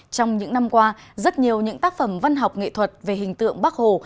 trong những năm qua rất nhiều những tác phẩm văn học nghệ thuật về hình tượng bắc hồ